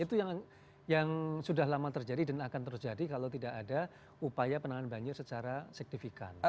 itu yang sudah lama terjadi dan akan terjadi kalau tidak ada upaya penanganan banjir secara signifikan